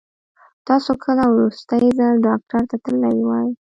تاسو کله وروستی ځل ډاکټر ته تللي وئ؟